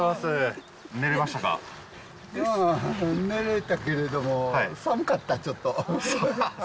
寝れたけれども、寒かった、ちょっと。